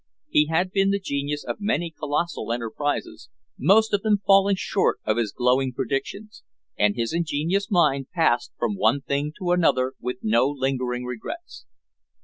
He had been the genius of many colossal enterprises, most of them falling short of his glowing predictions, and his ingenious mind passed from one thing to another with no lingering regrets.